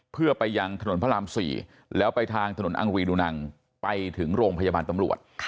เพื่อไปยังถนนพระราม๔แล้วไปทางถนนอังรีดูนังไปถึงโรงพยาบาลตำรวจ